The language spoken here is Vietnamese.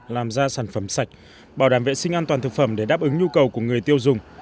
làm ra sản phẩm sạch bảo đảm vệ sinh an toàn thực phẩm để đáp ứng nhu cầu của người tiêu dùng